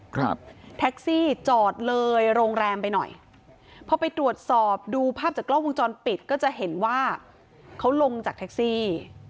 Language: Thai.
ครับแท็กซี่จอดเลยโรงแรมไปหน่อยพอไปตรวจสอบดูภาพจากกล้องวงจรปิดก็จะเห็นว่าเขาลงจากแท็กซี่